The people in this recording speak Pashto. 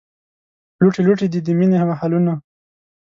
لوټې لوټې دي، د مینې محلونه